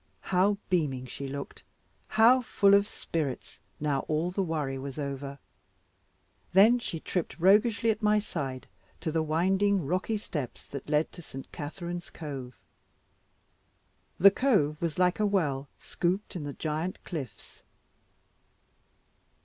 How beaming she looked, how full of spirits, now all the worry was over. Then she tripped roguishly at my side to the winding rocky steps that lead to St. Katharine's cove. The cove was like a well scooped in the giant cliffs.